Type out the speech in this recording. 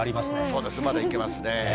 そうです、まだいけますね。